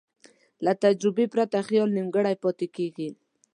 له تجربې پرته خیال نیمګړی پاتې کېږي.